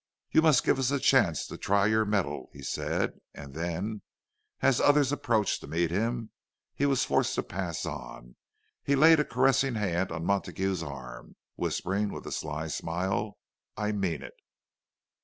"You must give us a chance to try your mettle," he said; and then, as others approached to meet him, and he was forced to pass on, he laid a caressing hand on Montague's arm, whispering, with a sly smile, "I mean it."